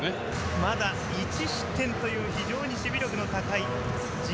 まだ１失点という非常に守備力の高い数字。